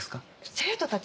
生徒たち